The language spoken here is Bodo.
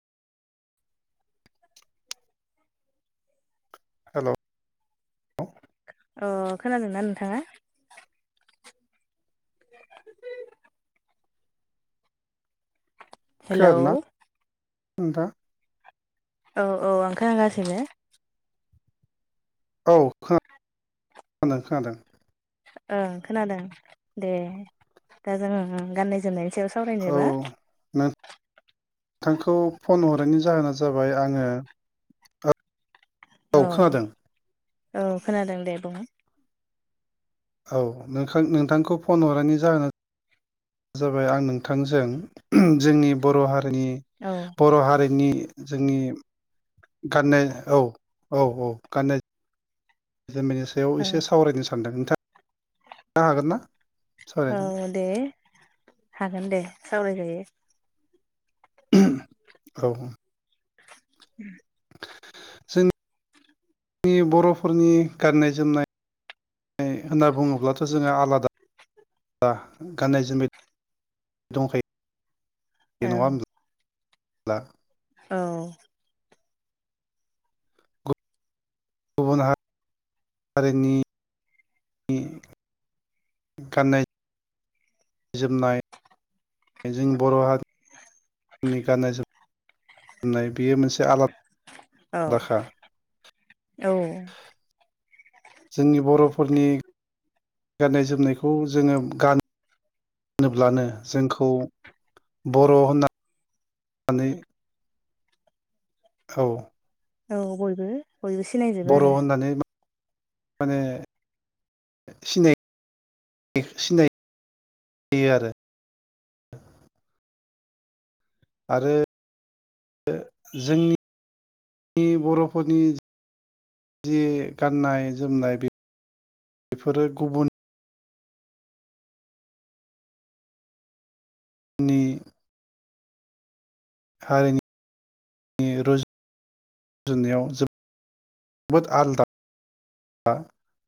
हेलौ अ खोनादों ना नोंथांङा? हेलौ। खोनादोंना नोंथां। औ औ आं खोनागासिनो। औ खोन खोनादों खोनादों। ओं खोनादों दे दा जोंङो गाननाय जोमनाय। औ न नोंथांखौ फन हरनायनि जाहोना जाबाय। आंङो औ -औ खोनादों दे बुं। औ नों नोंथांखौ फन हरनायनि जाहोना। जाबाय आं नोंथांजों जोंनि बर' हारिनि औ बर' हारिनिनो जोंनि गाननाय औ औ औ गाननाय जों बेनि सायाव औ एसे सावरायनो सानदों नोंथांनो हागोन ना औ सावरायनो दे हागोन दे सावरायजायो। औ। [inaudible] जोंनि बर'फोरनि गाननाय-जोमनाय होनना बुङोब्लाथ' जोंङो आलादा आ गाननाय-जोमनाय [unintelligible] औ। [unintelligible] औ। गुबुन हारि हारिनि गाननाय गाननाय जोमनाय जों बर' हारिनि गाननाय जोमनाय नाय बेयो मोनसे औ आलादाखा - औ जोंनि बर'फोरनि गाननाय जोमनायखौ जोंङो गानो होनोब्लानो जोंखौ बर' होन [unintelligible] नानै औ औ बयबो बयबो सिनायजोबो बर' आरो होननानै माने सिनाय [unintelligible] सिनायखायो आरो ज [inaudible] आरो [unintelligible] जोंनि जोंनि बर'फोरनि जि गाननाय जोमनाय बे बेफोरो गुबुन [unintelligible] हारिनि [unintelligible] रुजु नायाव जोबोद आलदा [unintelligible]